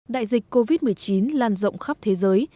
đại dịch covid một mươi chín lan rộng khắp thế giới